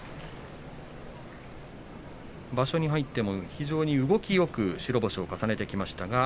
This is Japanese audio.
場所に入っても非常に動きよく白星を重ねてきました。